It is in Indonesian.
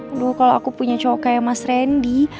aduh kalau aku punya cowok kayak mas randy